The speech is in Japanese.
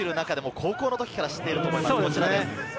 高校の時から知っていると思います。